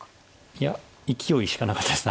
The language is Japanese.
いやいきおいしかなかったです